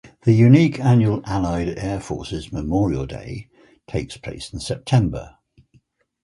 The unique annual Allied Air Forces Memorial Day takes place in September.